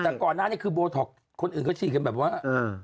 แต่ก่อนหน้านี้คือโบท็อกคนอื่นเขาฉีดกันแบบว่า